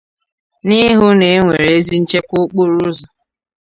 na ịhụ na e nwere ezi nchekwa okporoụzọ